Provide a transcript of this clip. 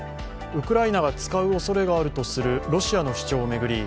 ウクライナが使うおそれがあるとするロシアの主張を巡り